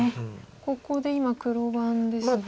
ここで今黒番ですが。